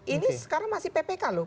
ini sekarang masih ppk loh